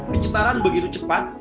penyebaran begitu cepat